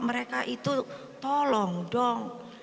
mereka itu tolong dong